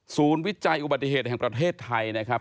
วิจัยอุบัติเหตุแห่งประเทศไทยนะครับ